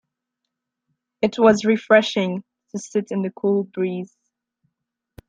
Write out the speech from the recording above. It was refreshing to sit in the cool breeze.